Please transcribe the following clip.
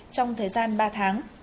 trong thời gian ba tháng